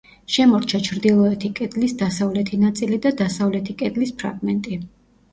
შემორჩა ჩრდილოეთი კედლის დასავლეთი ნაწილი და დასავლეთი კედლის ფრაგმენტი.